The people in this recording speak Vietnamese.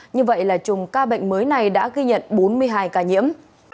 như vậy là chùm ca bệnh mới này đã ghi nhận bốn mươi hai ca nhiễm